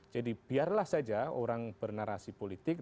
jadi biarlah saja orang bernarasi politik